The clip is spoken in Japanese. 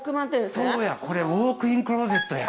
そうやこれウオークインクローゼットや。